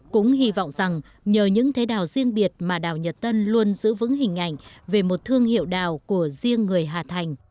cũng hy vọng rằng nhờ những thế đào riêng biệt mà đào nhật tân luôn giữ vững hình ảnh về một thương hiệu đào của riêng người hà thành